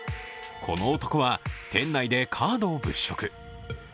この男は店内でカードを物色。